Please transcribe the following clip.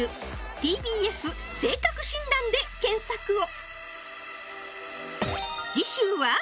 「ＴＢＳ性格診断」で検索を！